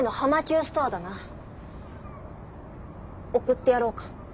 送ってやろうか？